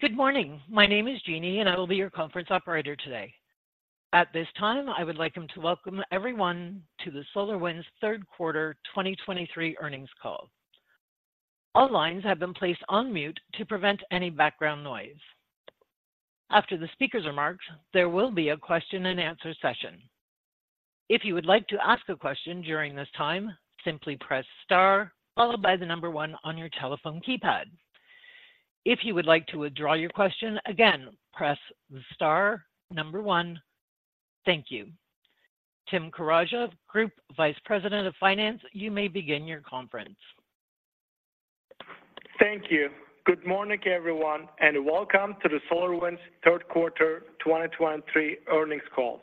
Good morning. My name is Jeannie, and I will be your conference operator today. At this time, I would like him to welcome everyone to the SolarWinds third quarter 2023 earnings call. All lines have been placed on mute to prevent any background noise. After the speaker's remarks, there will be a question-and-answer session. If you would like to ask a question during this time, simply press star, followed by the number one on your telephone keypad. If you would like to withdraw your question again, press the star number one. Thank you. Tim Karaca, Group Vice President of Finance, you may begin your conference. Thank you. Good morning, everyone, and welcome to the SolarWinds third quarter 2023 earnings call.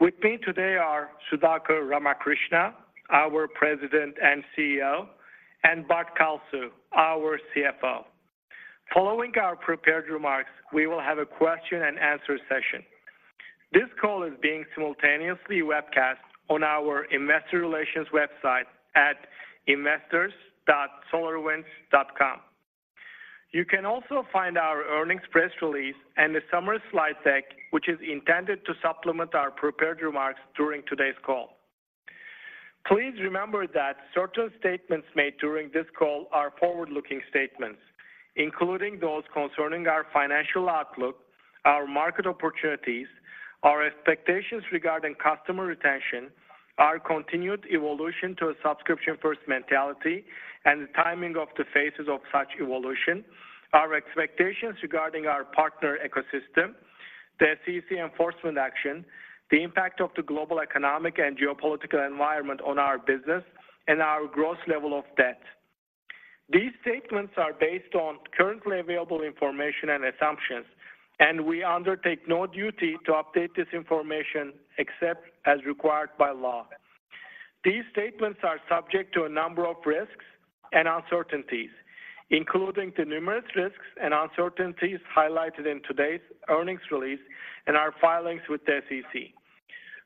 With me today are Sudhakar Ramakrishna, our President and CEO, and Bart Kalsu, our CFO. Following our prepared remarks, we will have a question-and-answer session. This call is being simultaneously webcast on our investor relations website at investors.solarwinds.com. You can also find our earnings press release and a summary slide deck, which is intended to supplement our prepared remarks during today's call. Please remember that certain statements made during this call are forward-looking statements, including those concerning our financial outlook, our market opportunities, our expectations regarding customer retention, our continued evolution to a subscription-first mentality, and the timing of the phases of such evolution, our expectations regarding our partner ecosystem, the SEC enforcement action, the impact of the global economic and geopolitical environment on our business, and our gross level of debt. These statements are based on currently available information and assumptions, and we undertake no duty to update this information except as required by law. These statements are subject to a number of risks and uncertainties, including the numerous risks and uncertainties highlighted in today's earnings release and our filings with the SEC.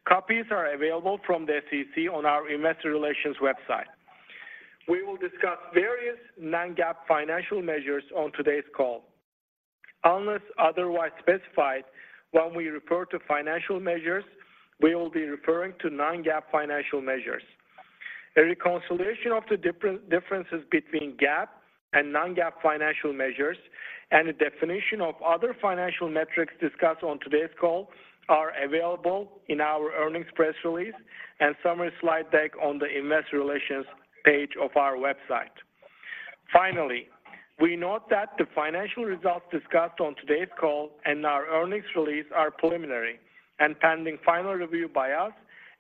Copies are available from the SEC on our investor relations website. We will discuss various non-GAAP financial measures on today's call. Unless otherwise specified, when we refer to financial measures, we will be referring to non-GAAP financial measures. A reconciliation of the differences between GAAP and non-GAAP financial measures and a definition of other financial metrics discussed on today's call are available in our earnings press release and summary slide deck on the investor relations page of our website. Finally, we note that the financial results discussed on today's call and our earnings release are preliminary and pending final review by us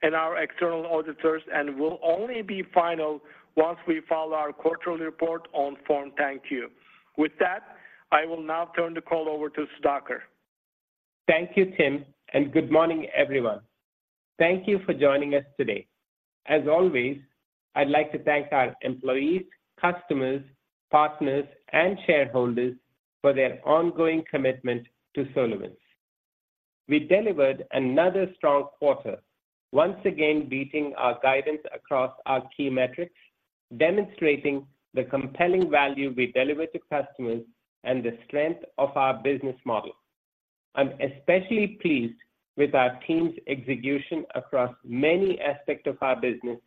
and our external auditors and will only be final once we file our quarterly report on Form 10-Q. With that, I will now turn the call over to Sudhakar. Thank you, Tim, and good morning, everyone. Thank you for joining us today. As always, I'd like to thank our employees, customers, partners, and shareholders for their ongoing commitment to SolarWinds. We delivered another strong quarter, once again beating our guidance across our key metrics, demonstrating the compelling value we deliver to customers and the strength of our business model. I'm especially pleased with our team's execution across many aspects of our business,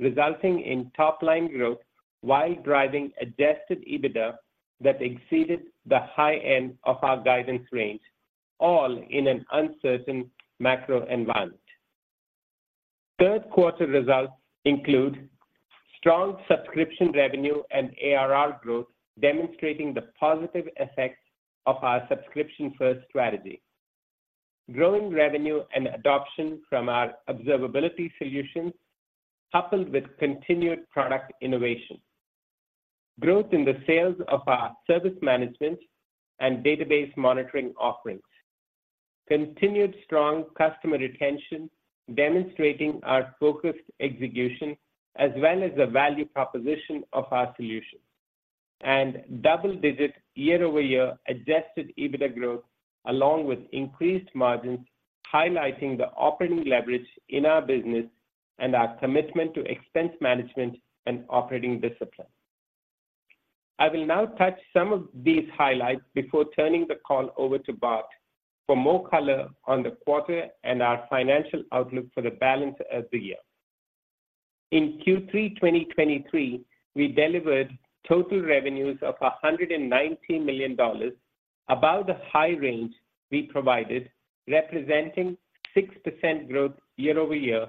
resulting in top-line growth while driving Adjusted EBITDA that exceeded the high end of our guidance range, all in an uncertain macro environment. Third quarter results include strong subscription revenue and ARR growth, demonstrating the positive effects of our subscription-first strategy. Growing revenue and adoption from our observability solutions, coupled with continued product innovation. Growth in the sales of our service management and database monitoring offerings. Continued strong customer retention, demonstrating our focused execution, as well as the value proposition of our solutions. Double-digit year-over-year Adjusted EBITDA growth, along with increased margins, highlighting the operating leverage in our business and our commitment to expense management and operating discipline. I will now touch some of these highlights before turning the call over to Bart for more color on the quarter and our financial outlook for the balance of the year. In Q3 2023, we delivered total revenues of $190 million, above the high range we provided, representing 6% growth year-over-year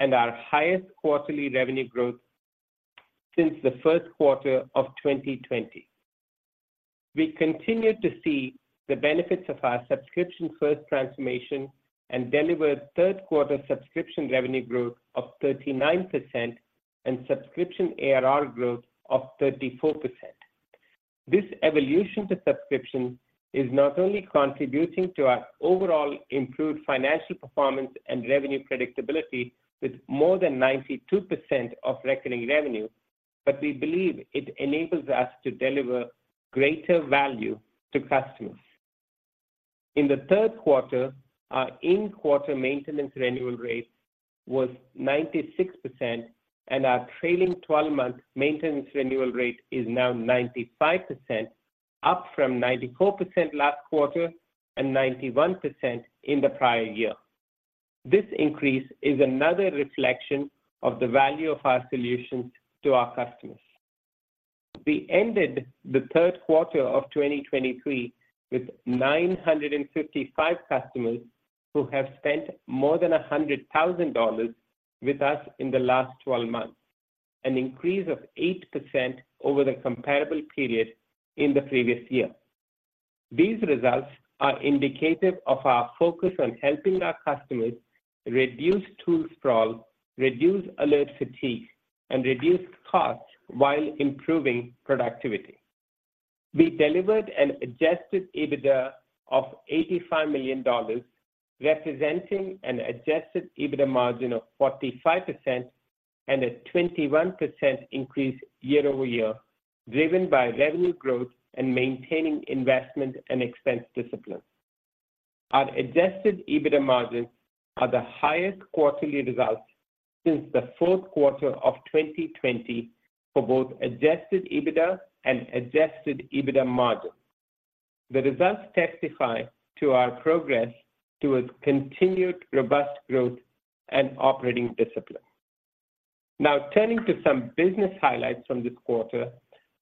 and our highest quarterly revenue growth since the first quarter of 2020. We continued to see the benefits of our subscription-first transformation and delivered third-quarter subscription revenue growth of 39% and subscription ARR growth of 34%. This evolution to subscription is not only contributing to our overall improved financial performance and revenue predictability with more than 92% of recurring revenue, but we believe it enables us to deliver greater value to customers. In the third quarter, our in-quarter maintenance renewal rate was 96%, and our trailing twelve-month maintenance renewal rate is now 95%, up from 94% last quarter and 91% in the prior year. This increase is another reflection of the value of our solutions to our customers. We ended the third quarter of 2023 with 955 customers who have spent more than $100,000 with us in the last twelve months, an increase of 8% over the comparable period in the previous year. These results are indicative of our focus on helping our customers reduce tool sprawl, reduce alert fatigue, and reduce costs while improving productivity. We delivered an Adjusted EBITDA of $85 million, representing an Adjusted EBITDA margin of 45% and a 21% increase year-over-year, driven by revenue growth and maintaining investment and expense discipline. Our Adjusted EBITDA margins are the highest quarterly results since the fourth quarter of 2020 for both Adjusted EBITDA and Adjusted EBITDA margin. The results testify to our progress towards continued robust growth and operating discipline. Now, turning to some business highlights from this quarter,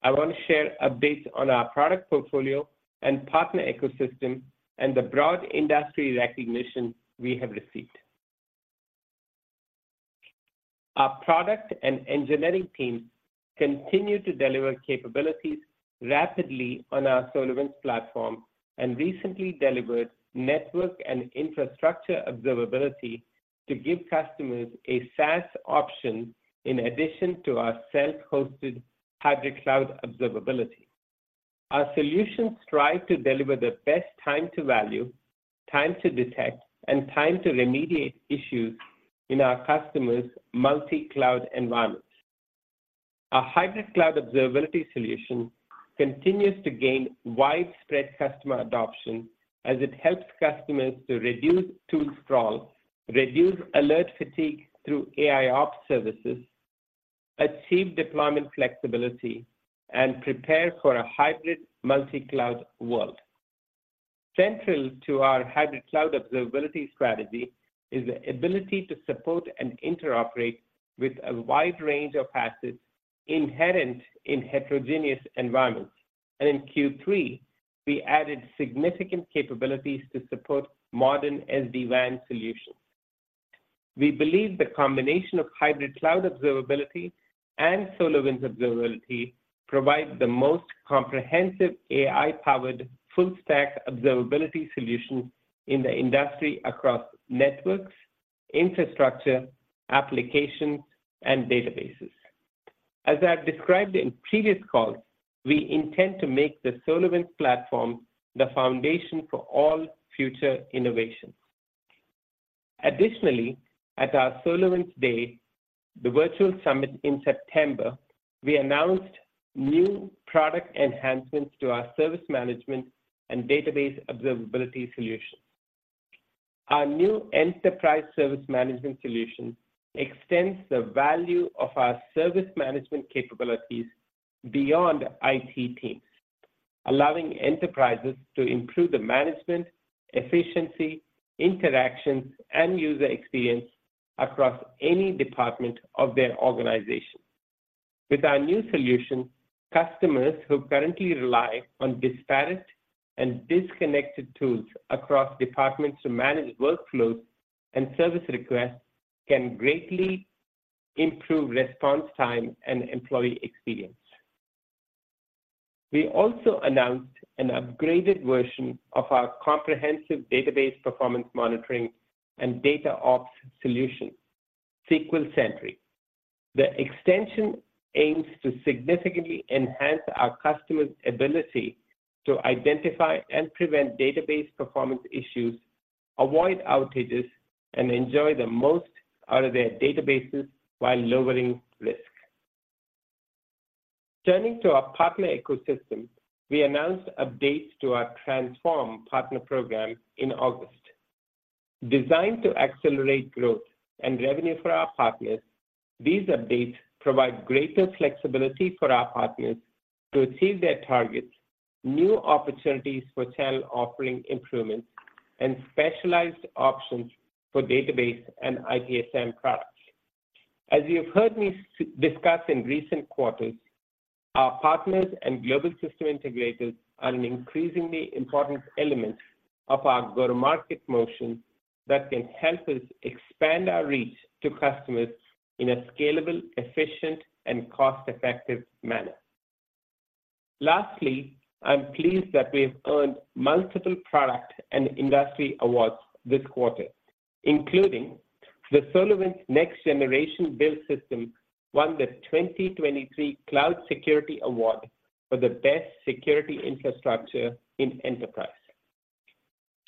I want to share updates on our product portfolio and partner ecosystem and the broad industry recognition we have received. Our product and engineering teams continue to deliver capabilities rapidly on our SolarWinds Platform, and recently delivered network and infrastructure observability to give customers a SaaS option in addition to our self-hosted Hybrid Cloud Observability. Our solutions strive to deliver the best time to value, time to detect, and time to remediate issues in our customers' multi-cloud environments. Our Hybrid Cloud Observability solution continues to gain widespread customer adoption as it helps customers to reduce tool sprawl, reduce alert fatigue through AIOps services, achieve deployment flexibility, and prepare for a hybrid multi-cloud world. Central to our Hybrid Cloud Observability strategy is the ability to support and interoperate with a wide range of assets inherent in heterogeneous environments. In Q3, we added significant capabilities to support modern SD-WAN solutions. We believe the combination of Hybrid Cloud Observability and SolarWinds Observability provide the most comprehensive AI-powered, full-stack observability solution in the industry across networks, infrastructure, applications, and databases. As I have described in previous calls, we intend to make the SolarWinds Platform the foundation for all future innovation. Additionally, at our SolarWinds Day, the virtual summit in September, we announced new product enhancements to our service management and database observability solutions. Our new Enterprise Service Management solution extends the value of our service management capabilities beyond IT teams, allowing enterprises to improve the management, efficiency, interactions, and user experience across any department of their organization. With our new solution, customers who currently rely on disparate and disconnected tools across departments to manage workflows and service requests can greatly improve response time and employee experience We also announced an upgraded version of our comprehensive database performance monitoring and DataOps solution, SQL Sentry. The extension aims to significantly enhance our customers' ability to identify and prevent database performance issues, avoid outages, and enjoy the most out of their databases while lowering risk. Turning to our partner ecosystem, we announced updates to our Transform Partner Program in August. Designed to accelerate growth and revenue for our partners, these updates provide greater flexibility for our partners to achieve their targets, new opportunities for channel offering improvements, and specialized options for database and ITSM products. As you have heard me discuss in recent quarters, our partners and global system integrators are an increasingly important element of our go-to-market motion that can help us expand our reach to customers in a scalable, efficient, and cost-effective manner. Lastly, I'm pleased that we have earned multiple product and industry awards this quarter, including the SolarWinds Next-Generation Build System won the 2023 Cloud Security Award for the Best Security Infrastructure in Enterprise.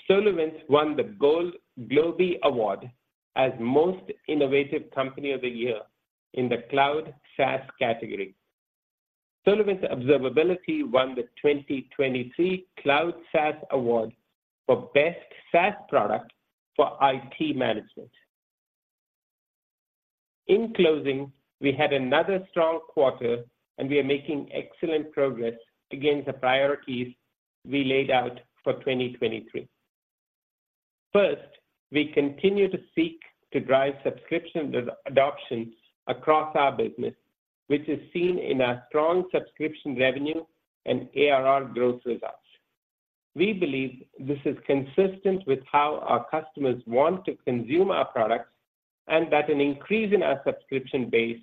SolarWinds won the Gold Globee Award as Most Innovative Company of the Year in the Cloud SaaS category. SolarWinds Observability won the 2023 Cloud SaaS Award for Best SaaS Product for IT Management. In closing, we had another strong quarter, and we are making excellent progress against the priorities we laid out for 2023. First, we continue to seek to drive subscription adoptions across our business, which is seen in our strong subscription revenue and ARR growth results. We believe this is consistent with how our customers want to consume our products, and that an increase in our subscription base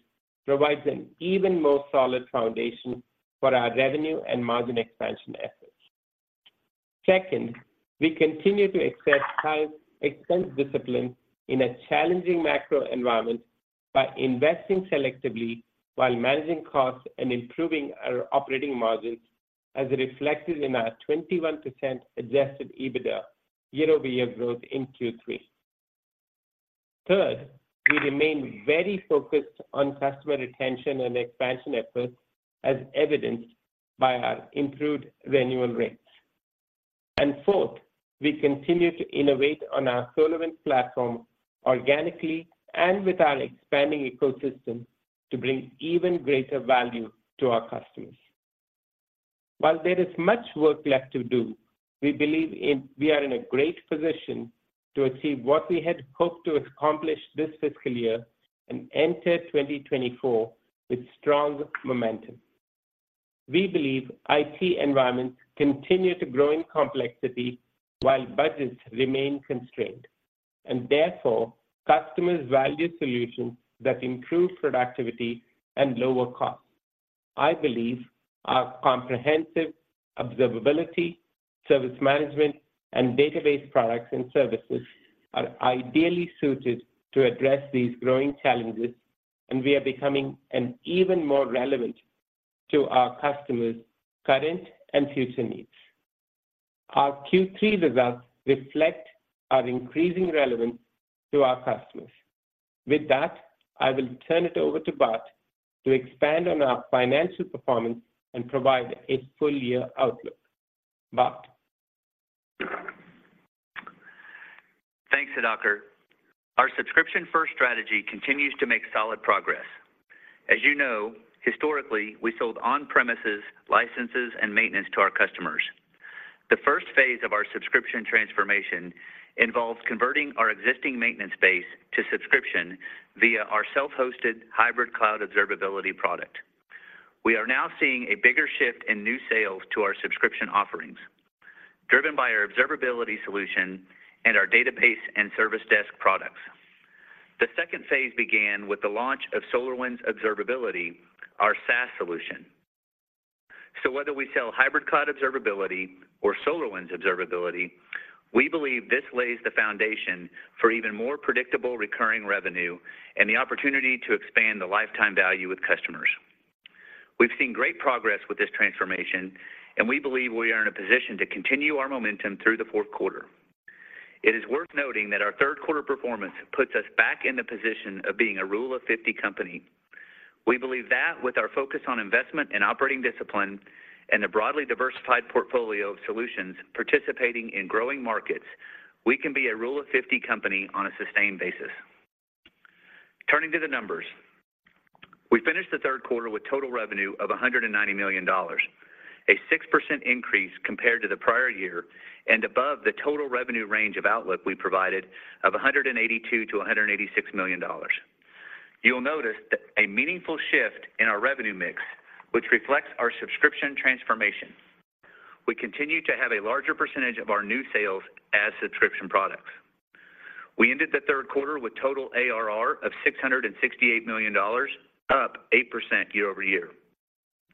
provides an even more solid foundation for our revenue and margin expansion efforts. Second, we continue to accept high expense discipline in a challenging macro environment by investing selectively while managing costs and improving our operating margins, as reflected in our 21% Adjusted EBITDA year-over-year growth in Q3. Third, we remain very focused on customer retention and expansion efforts, as evidenced by our improved renewal rates. And fourth, we continue to innovate on our SolarWinds Platform organically and with our expanding ecosystem to bring even greater value to our customers. While there is much work left to do, we believe we are in a great position to achieve what we had hoped to accomplish this fiscal year and enter 2024 with strong momentum. We believe IT environments continue to grow in complexity while budgets remain constrained, and therefore, customers value solutions that improve productivity and lower costs. I believe our comprehensive observability, service management, and database products and services are ideally suited to address these growing challenges, and we are becoming even more relevant to our customers' current and future needs. Our Q3 results reflect our increasing relevance to our customers. With that, I will turn it over to Bart to expand on our financial performance and provide a full year outlook. Bart? Thanks, Sudhakar. Our subscription-first strategy continues to make solid progress. As you know, historically, we sold on-premises licenses and maintenance to our customers. The first phase of our subscription transformation involves converting our existing maintenance base to subscription via our self-hosted Hybrid Cloud Observability product. We are now seeing a bigger shift in new sales to our subscription offerings, driven by our observability solution and our database and service desk products. The second phase began with the launch of SolarWinds Observability, our SaaS solution. So whether we sell Hybrid Cloud Observability or SolarWinds Observability, we believe this lays the foundation for even more predictable recurring revenue and the opportunity to expand the lifetime value with customers. We've seen great progress with this transformation, and we believe we are in a position to continue our momentum through the fourth quarter. It is worth noting that our third quarter performance puts us back in the position of being a Rule of 50 company. We believe that with our focus on investment and operating discipline and a broadly diversified portfolio of solutions participating in growing markets, we can be a Rule of Fifty company on a sustained basis. Turning to the numbers. We finished the third quarter with total revenue of $190 million, a 6% increase compared to the prior year and above the total revenue range of outlook we provided of $182 million-$186 million. You'll notice that a meaningful shift in our revenue mix, which reflects our subscription transformation. We continue to have a larger percentage of our new sales as subscription products. We ended the third quarter with total ARR of $668 million, up 8% year-over-year.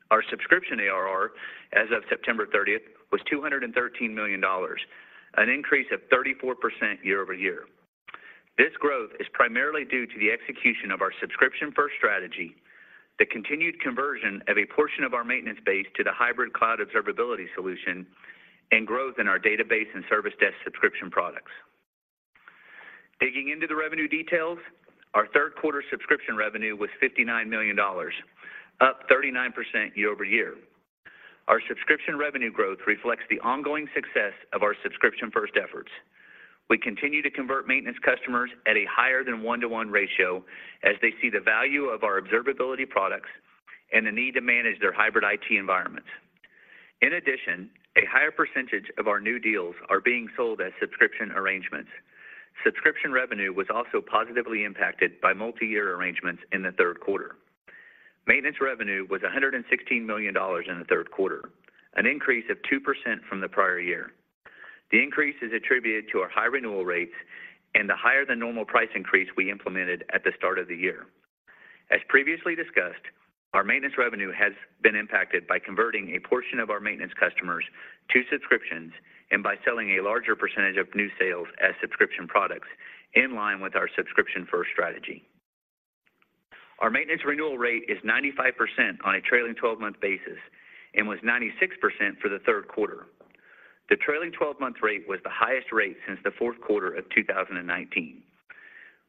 Our subscription ARR, as of September 30th, was $213 million, an increase of 34% year-over-year. This growth is primarily due to the execution of our subscription-first strategy, the continued conversion of a portion of our maintenance base to the Hybrid Cloud Observability solution, and growth in our Database and Service Desk subscription products. Digging into the revenue details, our third quarter subscription revenue was $59 million, up 39% year-over-year. Our subscription revenue growth reflects the ongoing success of our subscription-first efforts. We continue to convert maintenance customers at a higher than one-to-one ratio as they see the value of our observability products and the need to manage their hybrid IT environments. In addition, a higher percentage of our new deals are being sold as subscription arrangements. Subscription revenue was also positively impacted by multi-year arrangements in the third quarter. Maintenance revenue was $116 million in the third quarter, an increase of 2% from the prior year. The increase is attributed to our high renewal rates and the higher-than-normal price increase we implemented at the start of the year. As previously discussed, our maintenance revenue has been impacted by converting a portion of our maintenance customers to subscriptions and by selling a larger percentage of new sales as subscription products, in line with our subscription-first strategy. Our maintenance renewal rate is 95% on a trailing twelve-month basis and was 96% for the third quarter. The trailing 12-month rate was the highest rate since the fourth quarter of 2019.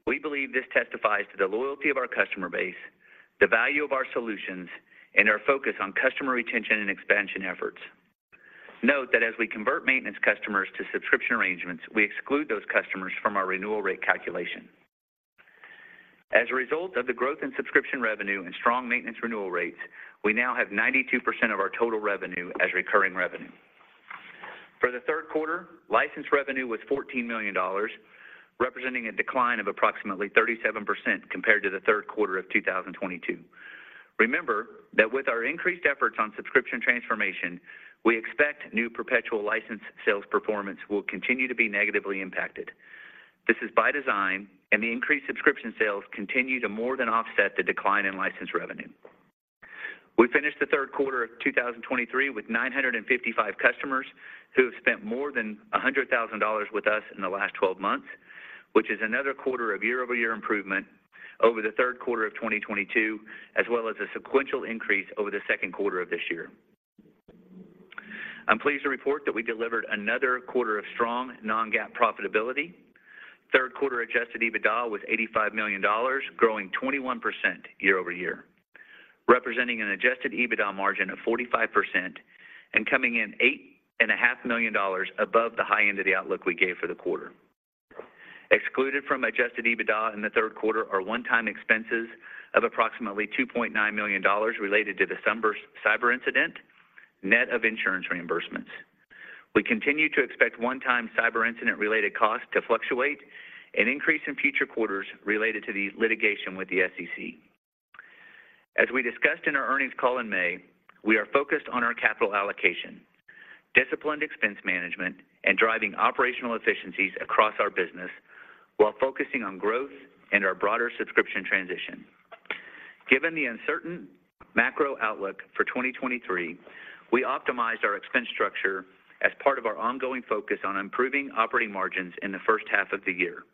We believe this testifies to the loyalty of our customer base, the value of our solutions, and our focus on customer retention and expansion efforts. Note that as we convert maintenance customers to subscription arrangements, we exclude those customers from our renewal rate calculation. As a result of the growth in subscription revenue and strong maintenance renewal rates, we now have 92% of our total revenue as recurring revenue. For the third quarter, license revenue was $14 million, representing a decline of approximately 37% compared to the third quarter of 2022. Remember that with our increased efforts on subscription transformation, we expect new perpetual license sales performance will continue to be negatively impacted. This is by design, and the increased subscription sales continue to more than offset the decline in license revenue. We finished the third quarter of 2023 with 955 customers who have spent more than $100,000 with us in the last 12 months, which is another quarter of year-over-year improvement over the third quarter of 2022, as well as a sequential increase over the second quarter of this year. I'm pleased to report that we delivered another quarter of strong non-GAAP profitability. Third quarter Adjusted EBITDA was $85 million, growing 21% year-over-year, representing an Adjusted EBITDA margin of 45% and coming in $8.5 million above the high end of the outlook we gave for the quarter. Excluded from Adjusted EBITDA in the third quarter are one-time expenses of approximately $2.9 million related to December's cyber incident, net of insurance reimbursements. We continue to expect one-time cyber incident-related costs to fluctuate and increase in future quarters related to the litigation with the SEC. As we discussed in our earnings call in May, we are focused on our capital allocation, disciplined expense management, and driving operational efficiencies across our business while focusing on growth and our broader subscription transition. Given the uncertain macro outlook for 2023, we optimized our expense structure as part of our ongoing focus on improving operating margins in the first half of the year.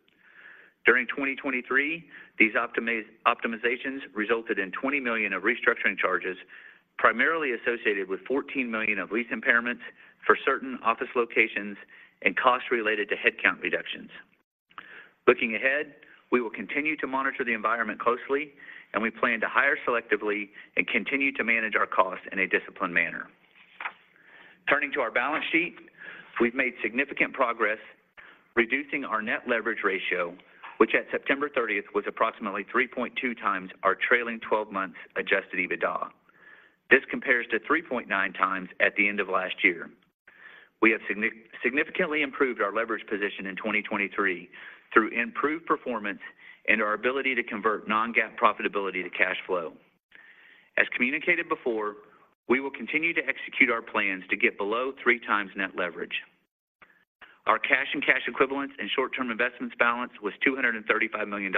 During 2023, these optimizations resulted in $20 million of restructuring charges, primarily associated with $14 million of lease impairments for certain office locations and costs related to headcount reductions. Looking ahead, we will continue to monitor the environment closely, and we plan to hire selectively and continue to manage our costs in a disciplined manner. Turning to our balance sheet, we've made significant progress reducing our net leverage ratio, which at September 30th was approximately 3.2x our trailing twelve-month Adjusted EBITDA. This compares to 3.9x at the end of last year. We have significantly improved our leverage position in 2023 through improved performance and our ability to convert non-GAAP profitability to cash flow. As communicated before, we will continue to execute our plans to get below three times net leverage. Our cash and cash equivalents and short-term investments balance was $235 million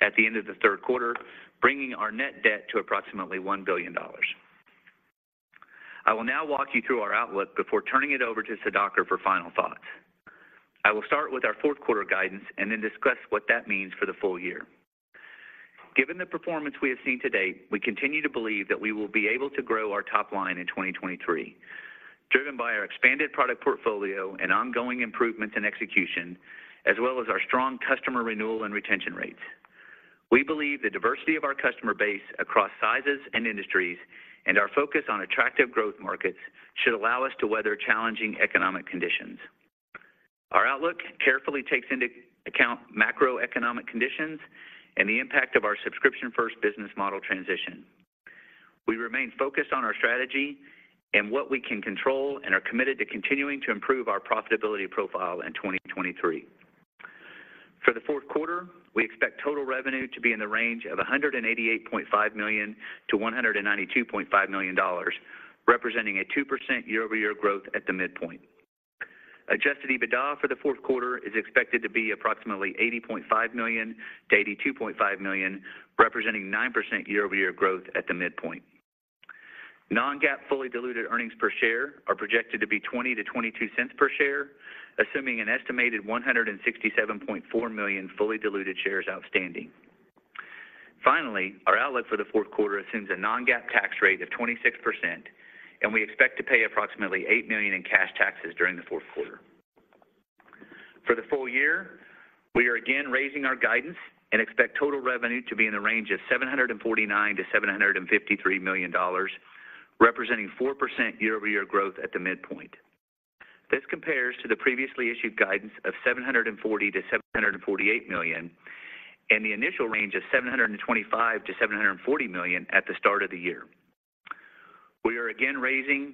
at the end of the third quarter, bringing our net debt to approximately $1 billion. I will now walk you through our outlook before turning it over to Sudhakar for final thoughts. I will start with our fourth quarter guidance and then discuss what that means for the full year. Given the performance we have seen to date, we continue to believe that we will be able to grow our top line in 2023, driven by our expanded product portfolio and ongoing improvements in execution, as well as our strong customer renewal and retention rates. We believe the diversity of our customer base across sizes and industries, and our focus on attractive growth markets, should allow us to weather challenging economic conditions. Our outlook carefully takes into account macroeconomic conditions and the impact of our subscription-first business model transition. We remain focused on our strategy and what we can control, and are committed to continuing to improve our profitability profile in 2023. For the fourth quarter, we expect total revenue to be in the range of $188.5 million-$192.5 million, representing 2% year-over-year growth at the midpoint. Adjusted EBITDA for the fourth quarter is expected to be approximately $80.5 million-$82.5 million, representing 9% year-over-year growth at the midpoint. Non-GAAP fully diluted earnings per share are projected to be $0.20-$0.22 per share, assuming an estimated 167.4 million fully diluted shares outstanding. Finally, our outlook for the fourth quarter assumes a non-GAAP tax rate of 26%, and we expect to pay approximately $8 million in cash taxes during the fourth quarter. For the full year, we are again raising our guidance and expect total revenue to be in the range of $749 million-$753 million, representing 4% year-over-year growth at the midpoint. This compares to the previously issued guidance of $740 million-$748 million, and the initial range of $725 million-$740 million at the start of the year. We are again raising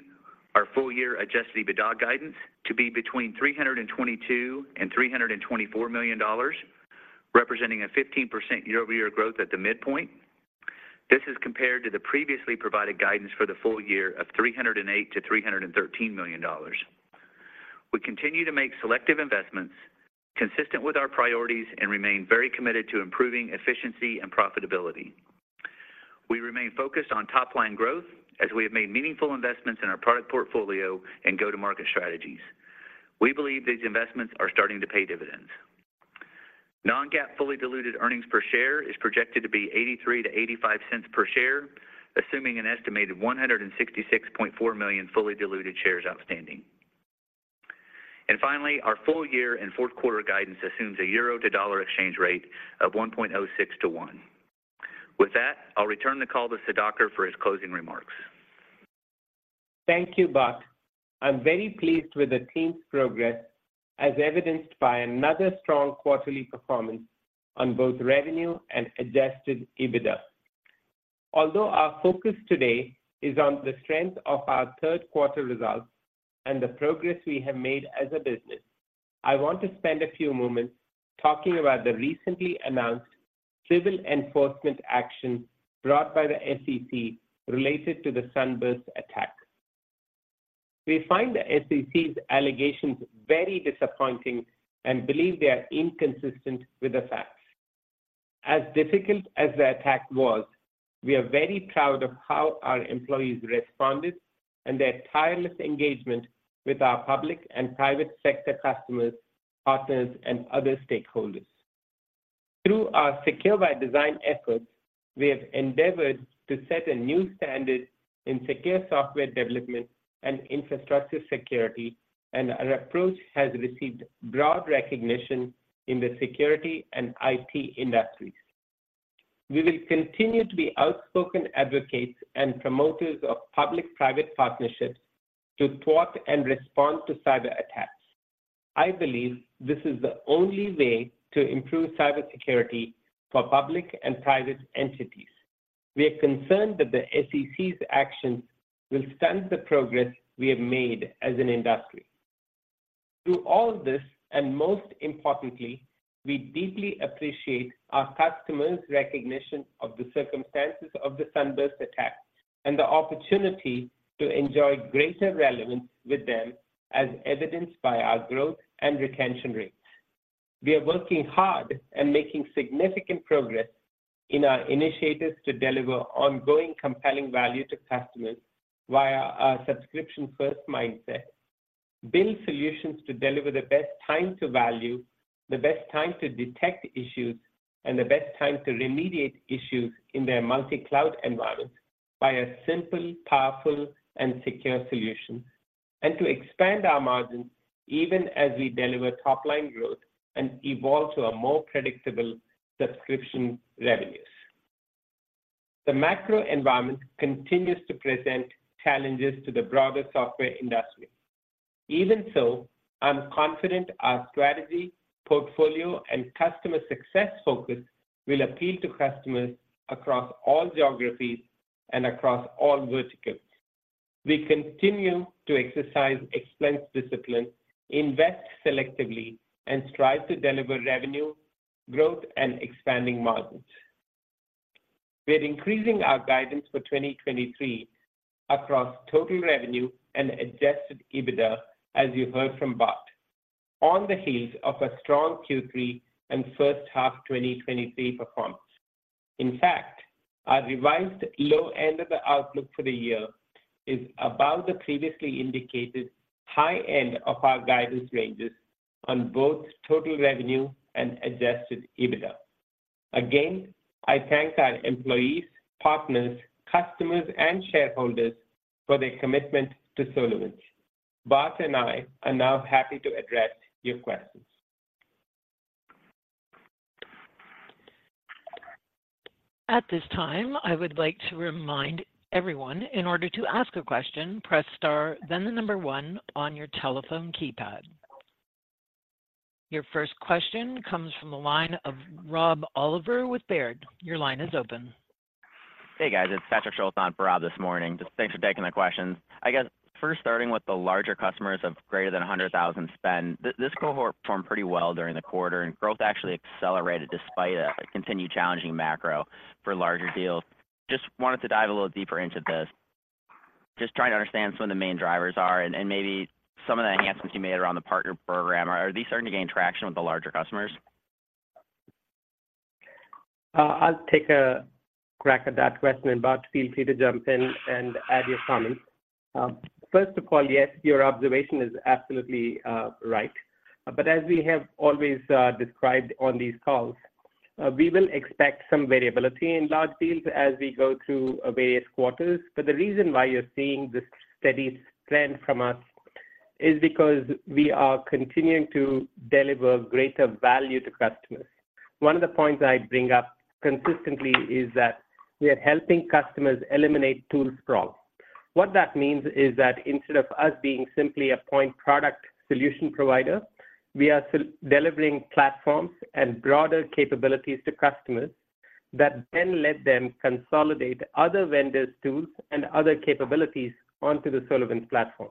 our full-year Adjusted EBITDA guidance to be between $322 million-$324 million, representing a 15% year-over-year growth at the midpoint. This is compared to the previously provided guidance for the full year of $308 million-$313 million. We continue to make selective investments consistent with our priorities and remain very committed to improving efficiency and profitability. We remain focused on top-line growth as we have made meaningful investments in our product portfolio and go-to-market strategies. We believe these investments are starting to pay dividends. Non-GAAP fully diluted earnings per share is projected to be $0.83-$0.85 per share, assuming an estimated 166.4 million fully diluted shares outstanding. Finally, our full year and fourth quarter guidance assumes a euro to dollar exchange rate of 1.06 to 1. With that, I'll return the call to Sudhakar for his closing remarks. Thank you, Bart. I'm very pleased with the team's progress, as evidenced by another strong quarterly performance on both revenue and Adjusted EBITDA. Although our focus today is on the strength of our third quarter results and the progress we have made as a business, I want to spend a few moments talking about the recently announced civil enforcement action brought by the SEC related to the SUNBURST attack. We find the SEC's allegations very disappointing and believe they are inconsistent with the facts. As difficult as the attack was, we are very proud of how our employees responded and their tireless engagement with our public and private sector customers, partners, and other stakeholders. Through our Secure by Design efforts, we have endeavored to set a new standard in secure software development and infrastructure security, and our approach has received broad recognition in the security and IT industries. We will continue to be outspoken advocates and promoters of public-private partnerships to thwart and respond to cyberattacks. I believe this is the only way to improve cybersecurity for public and private entities. We are concerned that the SEC's actions will stunt the progress we have made as an industry. Through all this, and most importantly, we deeply appreciate our customers' recognition of the circumstances of the SUNBURST attack and the opportunity to enjoy greater relevance with them, as evidenced by our growth and retention rates. We are working hard and making significant progress in our initiatives to deliver ongoing, compelling value to customers via our subscription-first mindset, build solutions to deliver the best time to value, the best time to detect issues, and the best time to remediate issues in their multi-cloud environments by a simple, powerful, and secure solution, and to expand our margins even as we deliver top-line growth and evolve to a more predictable subscription revenues. The macro environment continues to present challenges to the broader software industry. Even so, I'm confident our strategy, portfolio, and customer success focus will appeal to customers across all geographies and across all verticals. We continue to exercise expense discipline, invest selectively, and strive to deliver revenue, growth, and expanding margins. We are increasing our guidance for 2023 across total revenue and Adjusted EBITDA, as you heard from Bart, on the heels of a strong Q3 and first half 2023 performance. In fact, our revised low end of the outlook for the year is about the previously indicated high end of our guidance ranges on both total revenue and Adjusted EBITDA. Again, I thank our employees, partners, customers, and shareholders for their commitment to SolarWinds. Bart and I are now happy to address your questions. At this time, I would like to remind everyone, in order to ask a question, press star, then the number one on your telephone keypad. Your first question comes from the line of Rob Oliver with Baird. Your line is open. Hey, guys, it's Patrick Schulz on for Rob this morning. Just thanks for taking the questions. I guess first, starting with the larger customers of greater than 100,000 spend, this cohort performed pretty well during the quarter, and growth actually accelerated despite a continued challenging macro for larger deals. Just wanted to dive a little deeper into this. Just trying to understand what some of the main drivers are and maybe some of the enhancements you made around the partner program. Are these starting to gain traction with the larger customers? I'll take a crack at that question, Bart. Feel free to jump in and add your comments. First of all, yes, your observation is absolutely right. But as we have always described on these calls, we will expect some variability in large deals as we go through various quarters. But the reason why you're seeing this steady trend from us is because we are continuing to deliver greater value to customers. One of the points I bring up consistently is that we are helping customers eliminate tool sprawl. What that means is that instead of us being simply a point product solution provider, we are selling delivering platforms and broader capabilities to customers that then let them consolidate other vendors' tools and other capabilities onto the SolarWinds Platform.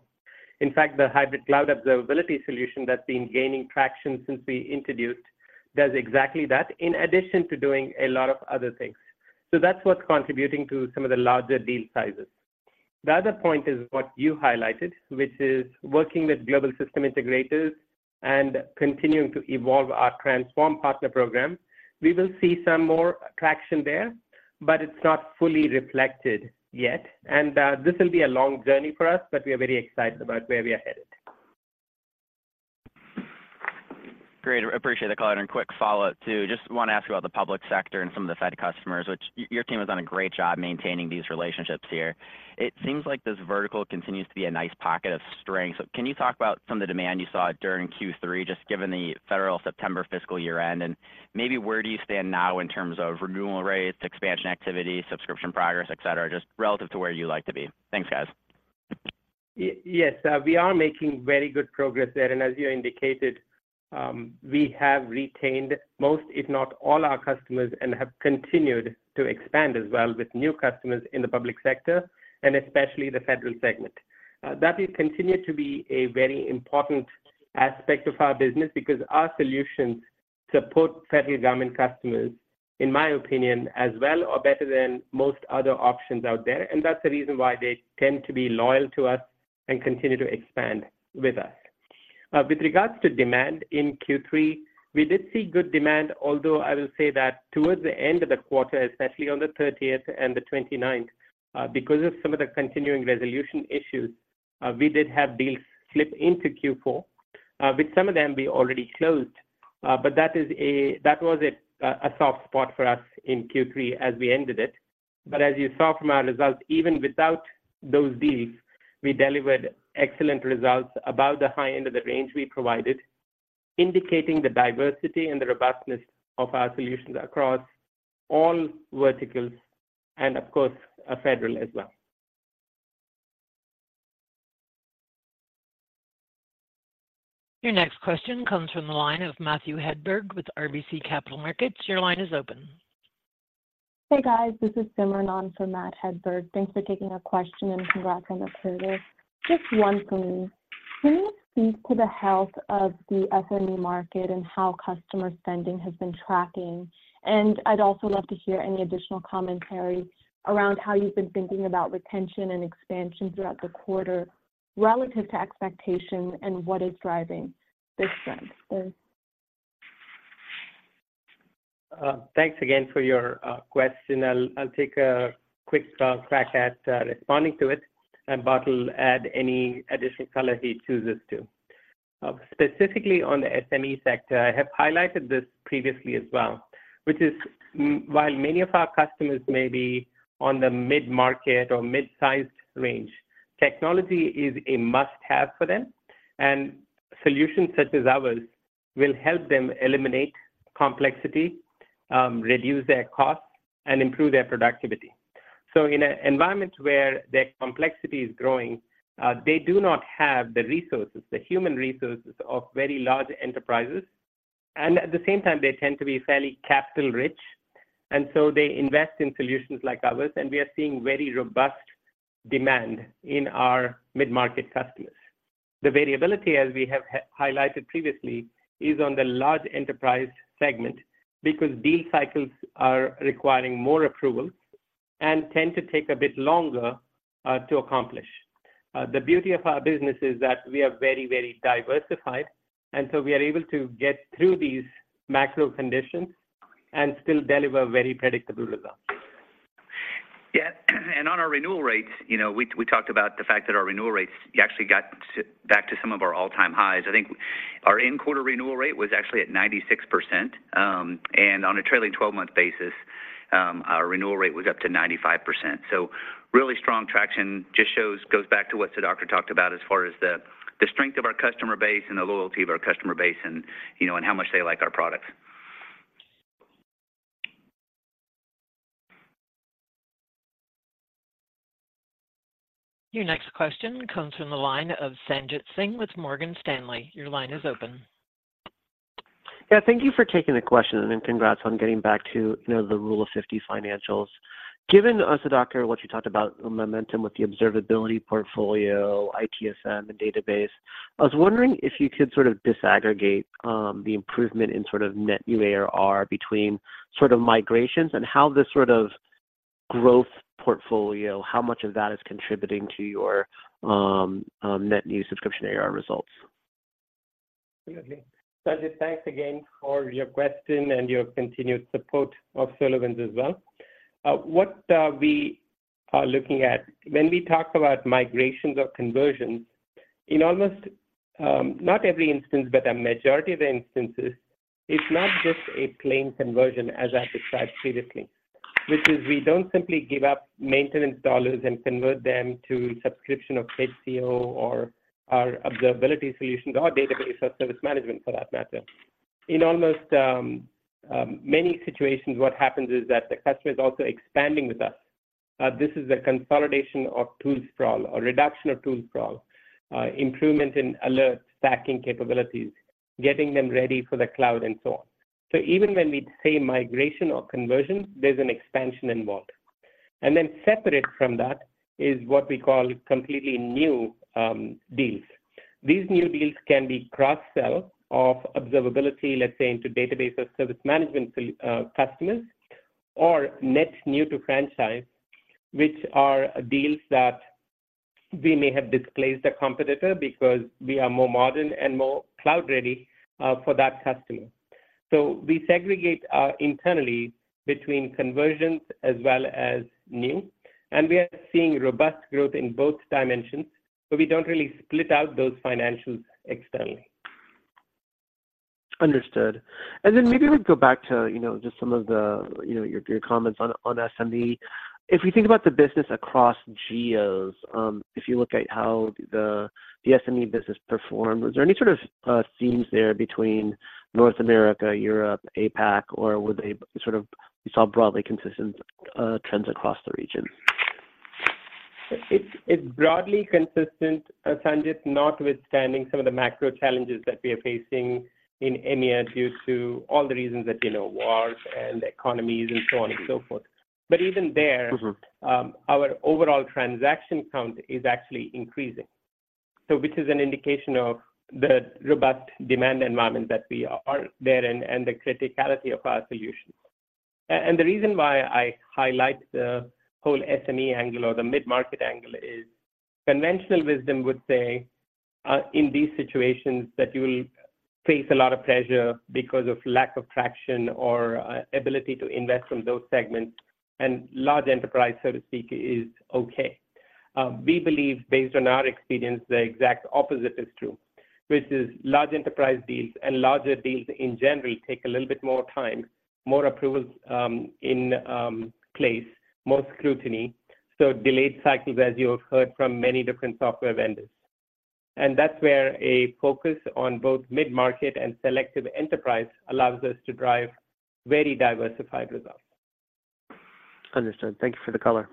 In fact, the Hybrid Cloud Observability solution that's been gaining traction since we introduced does exactly that, in addition to doing a lot of other things. So that's what's contributing to some of the larger deal sizes. The other point is what you highlighted, which is working with global system integrators and continuing to evolve our transform partner program. We will see some more traction there, but it's not fully reflected yet, and this will be a long journey for us, but we are very excited about where we are headed. Great, appreciate the call, and quick follow-up, too. Just want to ask you about the public sector and some of the Fed customers, which your team has done a great job maintaining these relationships here. It seems like this vertical continues to be a nice pocket of strength. So can you talk about some of the demand you saw during Q3, just given the federal September fiscal year end? And maybe where do you stand now in terms of renewal rates, expansion activity, subscription progress, et cetera, just relative to where you like to be? Thanks, guys. Yes, we are making very good progress there, and as you indicated, we have retained most, if not all, our customers and have continued to expand as well with new customers in the public sector, and especially the federal segment. That will continue to be a very important aspect of our business because our solutions support federal government customers, in my opinion, as well or better than most other options out there, and that's the reason why they tend to be loyal to us and continue to expand with us. With regards to demand in Q3, we did see good demand, although I will say that towards the end of the quarter, especially on the 30th and the 29th, because of some of the continuing resolution issues, we did have deals slip into Q4, with some of them we already closed, but that was a soft spot for us in Q3 as we ended it. But as you saw from our results, even without those deals, we delivered excellent results above the high end of the range we provided, indicating the diversity and the robustness of our solutions across all verticals and of course, federal as well. Your next question comes from the line of Matthew Hedberg with RBC Capital Markets. Your line is open. Hey, guys, this is Simran for Matt Hedberg. Thanks for taking our question, and congrats on the quarter. Just one for me. Can you speak to the health of the SME market and how customer spending has been tracking? And I'd also love to hear any additional commentary around how you've been thinking about retention and expansion throughout the quarter, relative to expectation and what is driving this trend? Thanks. Thanks again for your question. I'll, I'll take a quick crack at responding to it, and Bart will add any additional color he chooses to. Specifically on the SME sector, I have highlighted this previously as well, which is while many of our customers may be on the mid-market or mid-sized range, technology is a must-have for them, and solutions such as ours will help them eliminate complexity, reduce their costs, and improve their productivity. So in an environment where their complexity is growing, they do not have the resources, the human resources of very large enterprises, and at the same time, they tend to be fairly capital rich, and so they invest in solutions like ours, and we are seeing very robust demand in our mid-market customers. The variability, as we have highlighted previously, is on the large enterprise segment, because deal cycles are requiring more approval and tend to take a bit longer, to accomplish. The beauty of our business is that we are very, very diversified, and so we are able to get through these macro conditions and still deliver very predictable results. Yeah, and on our renewal rates, you know, we talked about the fact that our renewal rates actually got to back to some of our all-time highs. I think our end quarter renewal rate was actually at 96%, and on a trailing twelve-month basis, our renewal rate was up to 95%. So really strong traction, just shows, goes back to what Sudhakar talked about as far as the strength of our customer base and the loyalty of our customer base and, you know, and how much they like our products. Your next question comes from the line of Sanjit Singh with Morgan Stanley. Your line is open. Yeah, thank you for taking the question, and congrats on getting back to, you know, the Rule of 50 financials. Given, Sudhakar, what you talked about, the momentum with the observability portfolio, ITSM, and database, I was wondering if you could sort of disaggregate the improvement in sort of net new ARR between sort of migrations and how this sort of growth portfolio, how much of that is contributing to your net new subscription ARR results? Absolutely. Sanjit, thanks again for your question and your continued support of SolarWinds as well. What we are looking at when we talk about migrations or conversions, in almost, not every instance, but a majority of the instances, it's not just a plain conversion as I described previously. Which is we don't simply give up maintenance dollars and convert them to subscription of Hybrid Cloud Observability or our observability solutions, or our database, or service management for that matter. In many situations, what happens is that the customer is also expanding with us. This is a consolidation of tool sprawl or reduction of tool sprawl, improvement in alert stacking capabilities, getting them ready for the cloud, and so on. Even when we say migration or conversion, there's an expansion involved. And then separate from that is what we call completely new deals. These new deals can be cross-sell of observability, let's say, into database or service management solutions customers, or net new to franchise, which are deals that we may have displaced a competitor because we are more modern and more cloud-ready for that customer. So we segregate internally between conversions as well as new, and we are seeing robust growth in both dimensions, but we don't really split out those financials externally. Understood. Then maybe we'll go back to, you know, just some of the, you know, your, your comments on SME. If we think about the business across geos, if you look at how the SME business performed, was there any sort of themes there between North America, Europe, APAC, or was a sort of you saw broadly consistent trends across the region? It's, it's broadly consistent, Sanjit, notwithstanding some of the macro challenges that we are facing in EMEA due to all the reasons that you know, wars and economies and so on and so forth. But even there- Mm-hmm. Our overall transaction count is actually increasing. So which is an indication of the robust demand environment that we are there in, and the criticality of our solution. And the reason why I highlight the whole SME angle or the mid-market angle is, conventional wisdom would say, in these situations that you will face a lot of pressure because of lack of traction or, ability to invest from those segments, and large enterprise, so to speak, is okay. We believe, based on our experience, the exact opposite is true, which is large enterprise deals and larger deals in general take a little bit more time, more approvals in place, more scrutiny, so delayed cycles, as you have heard from many different software vendors. And that's where a focus on both mid-market and selective enterprise allows us to drive very diversified results. Understood. Thank you for the color.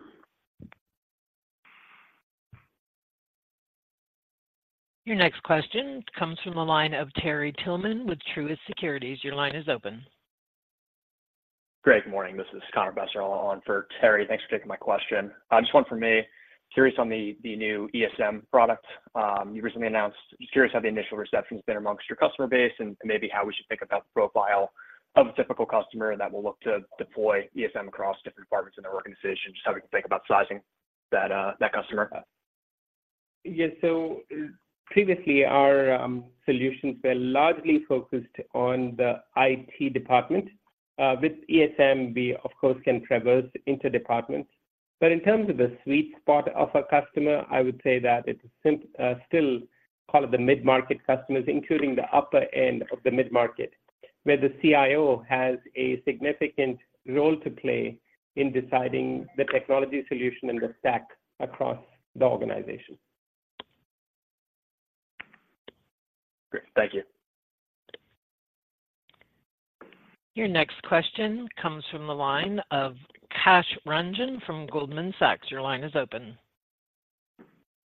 Your next question comes from the line of Terry Tillman with Truist Securities. Your line is open. Great, good morning. This is Connor Passarella on for Terry. Thanks for taking my question. Just one for me. Curious on the new ESM product you recently announced. Curious how the initial reception's been among your customer base and maybe how we should think about the profile of a typical customer that will look to deploy ESM across different departments in their organization, just how we can think about sizing that, that customer? Yes. So previously, our solutions were largely focused on the IT department. With ESM, we of course can traverse into departments. But in terms of the sweet spot of a customer, I would say that it's still call it the mid-market customers, including the upper end of the mid-market, where the CIO has a significant role to play in deciding the technology solution and the stack across the organization. Great. Thank you. Your next question comes from the line of Kash Rangan from Goldman Sachs. Your line is open.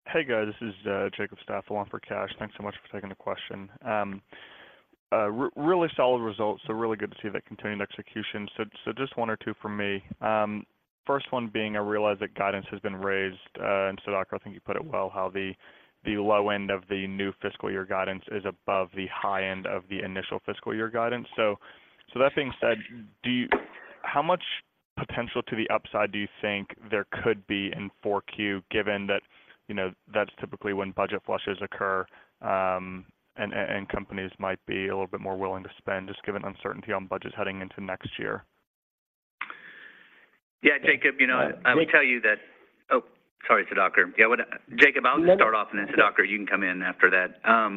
Hey, guys, this is Jacob Staffel along for Kash. Thanks so much for taking the question. Really solid results, so really good to see that continued execution. So just one or two from me. First one being, I realize that guidance has been raised, and Sudhakar, I think you put it well, how the low end of the new fiscal year guidance is above the high end of the initial fiscal year guidance. So that being said, do you how much potential to the upside do you think there could be in 4Q, given that, you know, that's typically when budget flushes occur, and companies might be a little bit more willing to spend, just given uncertainty on budgets heading into next year? Yeah, Jacob, you know, I will tell you that... Oh, sorry, Sudhakar. Yeah, what, Jacob, I'll start off, and then, Sudhakar, you can come in after that. Yeah.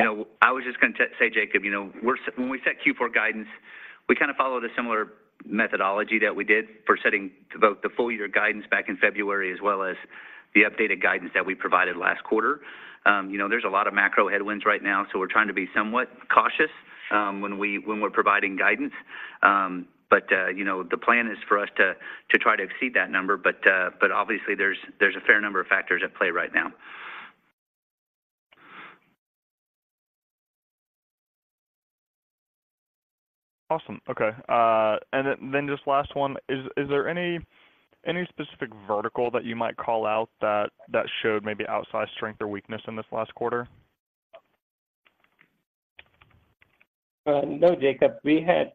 You know, I was just gonna say, Jacob, you know, when we set Q4 guidance, we kinda followed a similar methodology that we did for setting both the full year guidance back in February, as well as the updated guidance that we provided last quarter. You know, there's a lot of macro headwinds right now, so we're trying to be somewhat cautious when we're providing guidance. You know, the plan is for us to try to exceed that number, but obviously, there's a fair number of factors at play right now. Awesome. Okay, and then just last one, is there any specific vertical that you might call out that showed maybe outsized strength or weakness in this last quarter? No, Jacob, we had,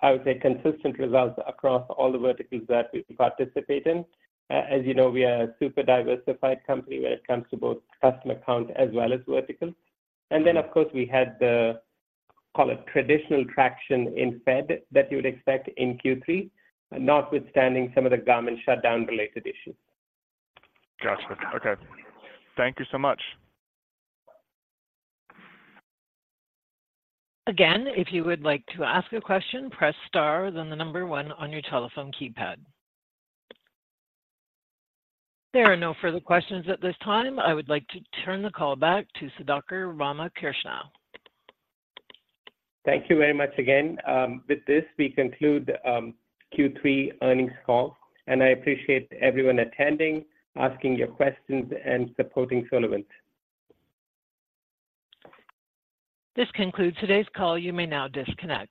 I would say, consistent results across all the verticals that we participate in. As you know, we are a super diversified company when it comes to both customer count as well as verticals. And then, of course, we had the, call it, traditional traction in fed that you would expect in Q3, notwithstanding some of the government shutdown-related issues. Gotcha. Okay. Thank you so much. Again, if you would like to ask a question, press star, then the number one on your telephone keypad. There are no further questions at this time. I would like to turn the call back to Sudhakar Ramakrishna. Thank you very much again. With this, we conclude Q3 earnings call, and I appreciate everyone attending, asking your questions, and supporting SolarWinds. This concludes today's call. You may now disconnect.